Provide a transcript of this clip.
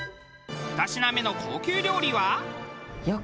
２品目の高級料理は。